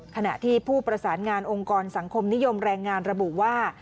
ขณะที่ผู้ประสานงานองค์กรสังคมนิยมแรงงานระบุว่า